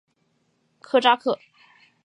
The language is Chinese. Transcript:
科扎克。